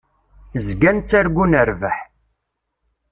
Zgan ttargun rrbeḥ.